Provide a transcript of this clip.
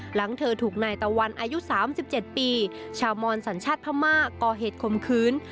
หลังเธอถูกนายตะวันอายุ๓๗ปีชาวมอนสัญชาติพม่าก่อเหตุคมคืน